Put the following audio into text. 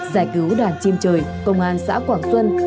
giải cứu đoàn chim trời công an xã quảng xuân